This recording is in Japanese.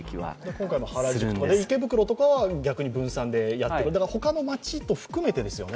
今回の原宿とか池袋は分散でやっている、他の街も含めてですよね